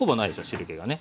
汁けがね。